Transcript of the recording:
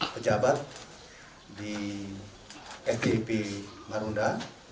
pejabat di fpip marunda